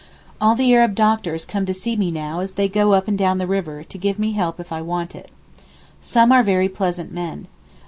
All the Arab doctors come to see me now as they go up and down the river to give me help if I want it. Some are very pleasant men.